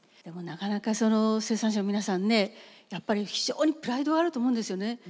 でもなかなかその生産者の皆さんねやっぱり非常にプライドあると思うんですよね。